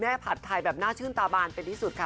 แม่ผัดถ่ายแบบน่าชื่นตาบานไปที่สุดค่ะ